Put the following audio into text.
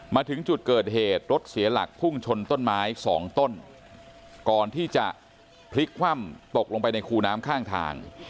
มาถึงจุดเกิดเหตุรถเสียหลักพุ่งชนต้นไม้สองต้นก่อนที่จะพลิกคว่ำตกลงไปในคูน้ำข้างทาง